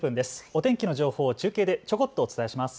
お天気の情報を中継でちょこっとお伝えします。